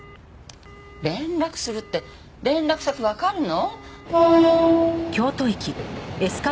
連絡するって連絡先わかるの？